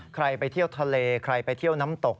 ไปเที่ยวทะเลใครไปเที่ยวน้ำตก